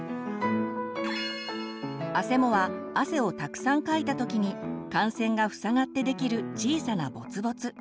あせもは汗をたくさんかいた時に汗腺が塞がってできる小さなボツボツ。